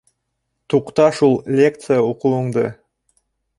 Туҡта шул лекция уҡыуыңды!